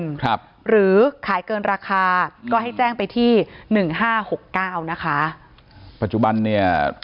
ครับหรือขายเกินราคาก็ให้แจ้งไปที่๑๕๖๙นะคะปัจจุบันเนี่ย